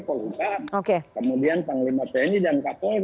perlu diperlukan kemudian